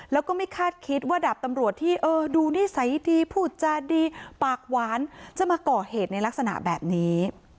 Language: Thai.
แล้วก็ไม่คาดคิดว่าดาบตำรวจที่ดูนิสัยดีพูดจาดีปากหวานจะมาก่อเหตุในลักษณะแบบนี้